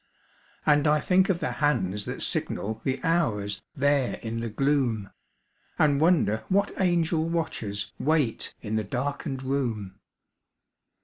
And I think of the hands that signal The hours there in the gloom, And wonder what angel watchers Wait in the darkened room.